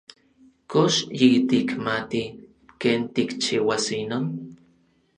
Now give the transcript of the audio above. ¿Kox yitikmati ken tikchiuas inon?